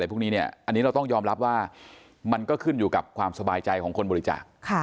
พวกนี้อันนี้เราต้องยอมรับว่ามันก็ขึ้นอยู่กับความสบายใจของคนบริจาค